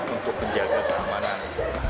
untuk menjaga keamanan